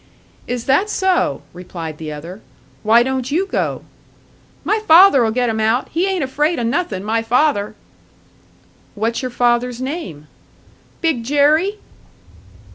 "Is that so!" replied the other. "Why don't you go?" "My father'll get 'em out. He ain't afraid o' nothin', my father!" "What's your father's name?" "Big Jerry."